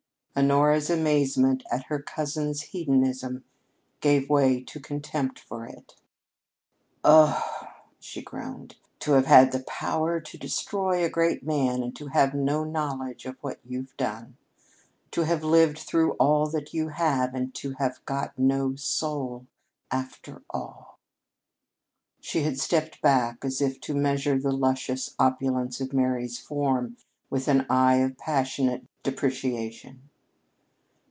Honora's amazement at her cousin's hedonism gave way to contempt for it. "Oh," she groaned, "to have had the power to destroy a great man and to have no knowledge of what you've done! To have lived through all that you have, and to have got no soul, after all!" She had stepped back as if to measure the luscious opulence of Mary's form with an eye of passionate depreciation.